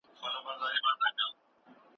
تاسي کولای شئ خپل عکسونه په کلاوډ کې خوندي کړئ.